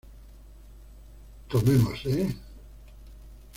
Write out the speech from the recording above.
Tomemos E!